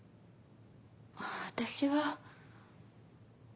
私は。